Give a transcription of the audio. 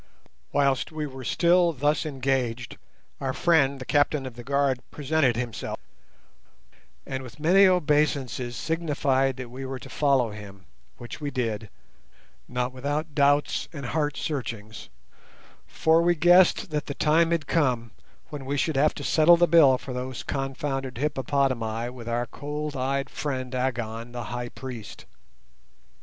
Whilst we were still thus engaged, our friend the captain of the guard presented himself, and with many obeisances signified that we were to follow him, which we did, not without doubts and heart searchings—for we guessed that the time had come when we should have to settle the bill for those confounded hippopotami with our cold eyed friend Agon, the High Priest.